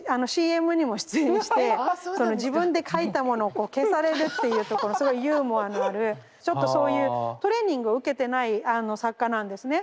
ＣＭにも出演して自分で書いたものを消されるっていうところそういうユーモアのあるちょっとそういうトレーニングを受けてない作家なんですね。